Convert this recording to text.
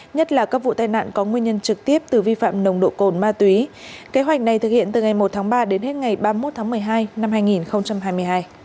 nhất là các vụ tai nạn có nguyên nhân trực tiếp từ vi phạm nồng độ cồn ma túy kế hoạch này thực hiện từ ngày một tháng ba đến hết ngày ba mươi một tháng một mươi hai năm hai nghìn hai mươi hai